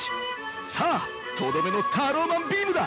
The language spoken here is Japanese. さあとどめのタローマンビームだ！